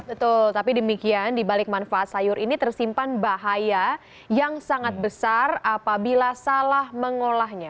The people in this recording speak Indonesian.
betul tapi demikian dibalik manfaat sayur ini tersimpan bahaya yang sangat besar apabila salah mengolahnya